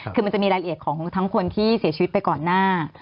คือมันจะมีรายละเอียดของทั้งคนที่เสียชีวิตไปก่อนหน้า